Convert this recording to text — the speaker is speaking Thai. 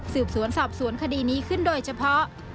สืบสวนสอบสวนคดีนี้ขึ้นโดยเฉพาะ